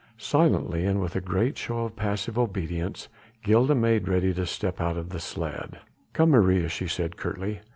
Silently, and with a great show of passive obedience, Gilda made ready to step out of the sledge. "Come, Maria," she said curtly.